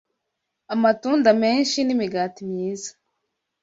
amatunda menshi, n’imigati myiza